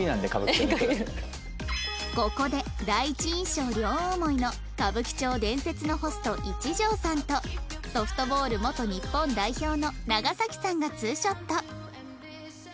ここで第一印象両思いの歌舞伎町伝説のホスト一条さんとソフトボール元日本代表の長さんがツーショット